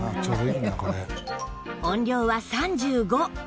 音量は３５